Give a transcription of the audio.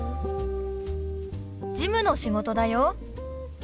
事務の仕事だよ。